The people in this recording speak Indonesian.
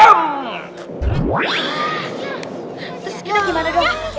terus ini gimana dong